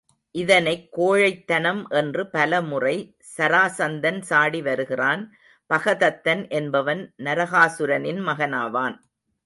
இதனைக் கோழைத் தனம் என்று பல முறை சராசந்தன் சாடி வருகிறான். பகதத்தன் என்பவன் நரகாசுரனின் மகனாவான்.